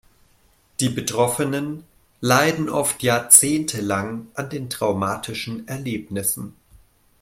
Die Betroffenen leiden oft jahrzehntelang an den traumatischen Erlebnissen.